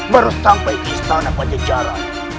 baru sampai istana pancacara